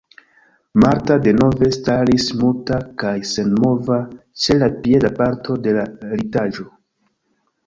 Marta denove staris muta kaj senmova ĉe la pieda parto de la litaĵo.